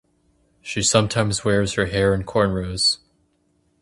She sometimes wears her hair in cornrows.